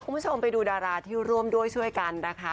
คุณผู้ชมไปดูดาราที่ร่วมด้วยช่วยกันนะคะ